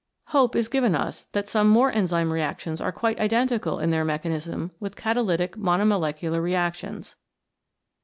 Hope is given us that some more enzyme reactions are quite identical in their mechanism with catalytic monomolecular reactions.